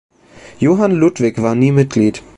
Johann Ludwig war nie Mitglied.